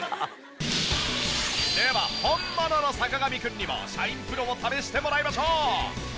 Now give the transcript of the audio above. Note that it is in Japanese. では本物の坂上くんにもシャインプロを試してもらいましょう。